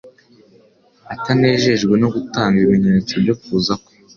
Atanejejwe no gutanga ibimenyetso byo kuza kwe,